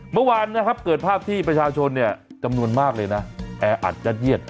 เมื่อวานนะครับเกิดภาพที่ประชาชนจำนวนมากเลยนะแออัดยัดเยียด